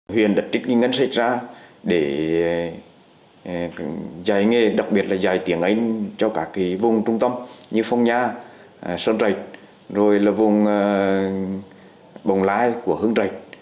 huyền đặt trích nghi ngân xây ra để giải nghe đặc biệt là giải tiếng anh cho cả vùng trung tâm như phong nha sơn trạch rồi là vùng bồng lai của hương trạch